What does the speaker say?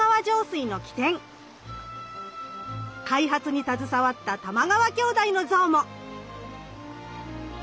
開発に携わった玉川兄弟の像も！